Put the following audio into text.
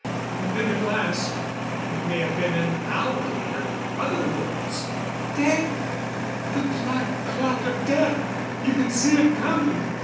And then at last it may have been an hour later other words: _"Death! The black cloud of death! You can see it coming!